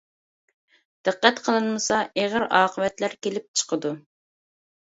دىققەت قىلىنمىسا ئېغىر ئاقىۋەتلەر كېلىپ چىقىدۇ.